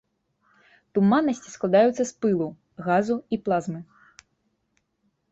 Туманнасці складаюцца з пылу, газу і плазмы.